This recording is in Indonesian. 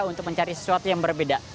untuk mencari sesuatu yang berbeda